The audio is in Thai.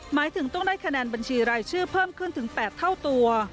หมายถึงต้องได้คะแนนบัญชีรายชื่อเพิ่มขึ้นถึง๘เท่าตัว